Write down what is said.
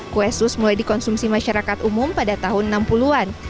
kue sus mulai dikonsumsi masyarakat umum pada tahun enam puluh an